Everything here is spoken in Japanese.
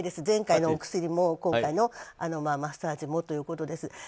前回のお薬も今回のマッサージもということです。